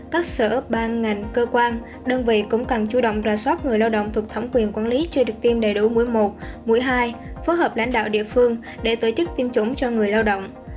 các sở ban ngành cơ quan đơn vị cũng cần chủ động ra soát người lao động thuộc thẩm quyền quản lý chưa được tiêm đầy đủ mũi một mũi hai phối hợp lãnh đạo địa phương để tổ chức tiêm chủng cho người lao động